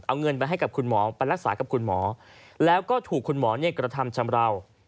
เอาเงินไปให้กับคุณหมอไปรักษากับคุณหมอแล้วก็ถูกคุณหมอกระทำชำราว